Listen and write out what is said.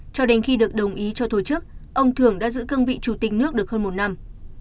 cho đến khi được đồng ý cho thổ chức ông thường đã giữ cương vị chủ tịch nước được hơn một năm